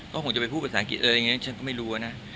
ก็คงจะแบบมาพูดภาษาอังกฤษฉันไม่รู้อะ